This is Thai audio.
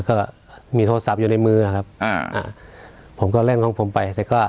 ก็มีโทรศัพท์อยู่ในมือครับอ่าอ่าผมก็เล่นของผมไปแต่ก็